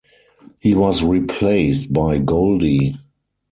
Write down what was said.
He was replaced by Goldy.